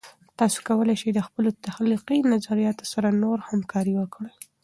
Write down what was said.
تاسې کولای سئ د خپلو تخلیقي نظریاتو سره نور همکارۍ وکړئ.